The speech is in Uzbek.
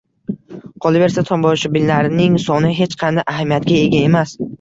Qolaversa, tomoshabinlarning soni hech qanday ahamiyatga ega emas.